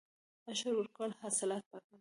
عشر ورکول حاصلات پاکوي.